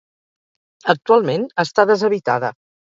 Actualment està deshabitada.